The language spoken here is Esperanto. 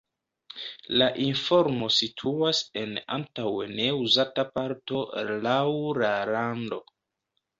La informo situas en antaŭe ne-uzata parto laŭ la rando.